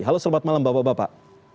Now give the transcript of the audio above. halo selamat malam bapak bapak